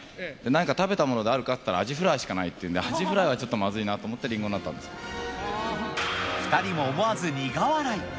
何か食べたものであるかって言ったらアジフライしかないって言うんで、アジフライはちょっとまずいなと思って、リンゴになったん２人も思わず苦笑い。